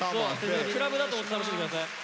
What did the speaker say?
クラブだと思って楽しんで下さい。